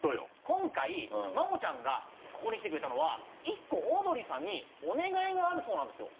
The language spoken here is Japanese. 今回真央ちゃんがここに来てくれたのは１個オードリーさんにお願いがあるそうなんですよ。